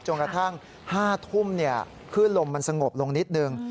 กระทั่ง๕ทุ่มขึ้นลมมันสงบลงนิดนึง